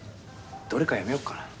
どれかやめよっかな。